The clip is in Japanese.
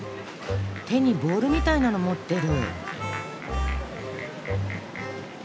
手にボールみたいなの持ってる。